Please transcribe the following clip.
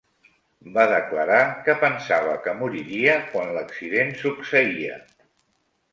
Va declarar que pensava que moriria quan l'accident succeïa.